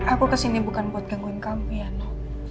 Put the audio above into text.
aku kesini bukan buat gangguin kamu ya no